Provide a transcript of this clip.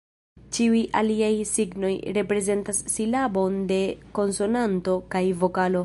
Ĉiuj aliaj signoj, reprezentas silabon de konsonanto kaj vokalo.